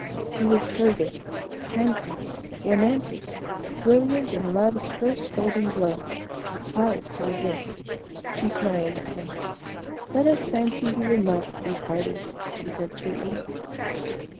He was fervid, handsome, romantic, brilliant in love's first golden glow, hard to resist. She smiled at him. "Let us fancy we will not be parted," she said sweetly.